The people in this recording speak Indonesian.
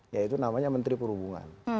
yaitu namanya menteri pemerintah